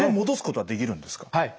はい。